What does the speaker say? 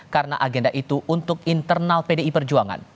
karena agenda itu untuk internal pdi perjuangan